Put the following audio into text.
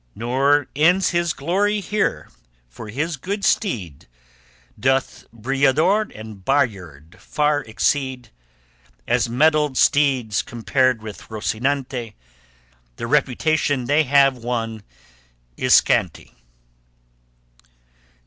Nor ends his glory here, for his good steed Doth Brillador and Bayard far exceed; As mettled steeds compared with Rocinante, The reputation they have won is scanty.